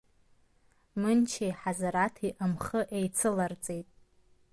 Мынҷеи Ҳазараҭи амхы еицыларҵеит.